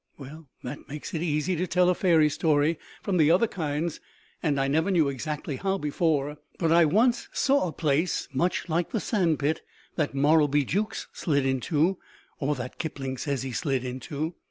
"Well, that makes it easy to tell a fairy story from the other kinds, and I never knew exactly how before. But I once saw a place much like the sand pit that Morrowbie Jukes slid into, or that Kipling says he slid into.